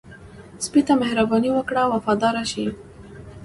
سپي ته مهرباني وکړه، وفاداره شي.